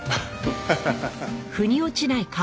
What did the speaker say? ハハハハ。